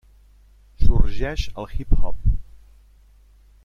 Sorgeix el hip-hop.